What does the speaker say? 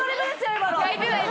今の！